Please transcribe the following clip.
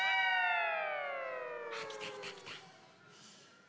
ああきたきたきた。